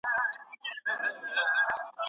د کور دننه يخ هوا مه پرېږدئ.